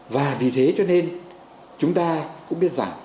và vì thế cho nên chúng ta cũng biết rằng